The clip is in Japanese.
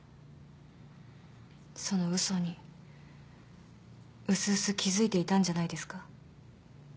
その嘘にうすうす気付いていたんじゃないですか。